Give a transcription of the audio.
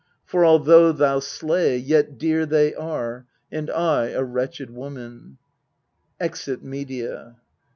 For, although thou slay, Yet dear they are, and I a wretched woman. {Exit MEDEA.